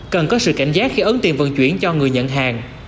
cần có sự cảnh giác khi ấn tiền vận chuyển cho người nhận hàng